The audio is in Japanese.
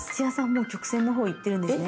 もう曲線のほう行ってるんですね。